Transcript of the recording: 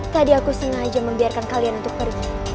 tadi aku sengaja membiarkan kalian untuk pergi